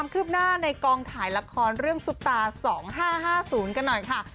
คืบหน้าในกองถ่ายละครเรื่องซุปตา๒๕๕๐กันหน่อยค่ะ